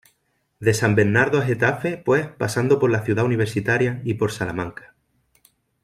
De San Bernardo a Getafe, pues, pasando por la Ciudad Universitaria y por Salamanca.